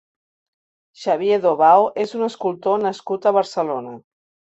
Xavier Dobao és un escultor nascut a Barcelona.